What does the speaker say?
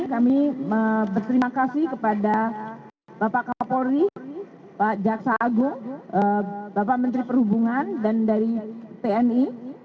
kami berterima kasih kepada bapak kapolri pak jaksa agung bapak menteri perhubungan dan dari tni